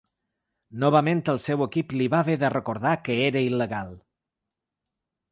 Novament el seu equip li va haver de recordar que era il·legal.